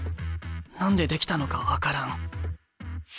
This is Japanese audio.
何でできたのか分からん。